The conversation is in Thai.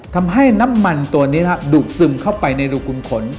ทำให้น้ำมันตัวนี้ดูดซึมเข้าไปในรูกุลขน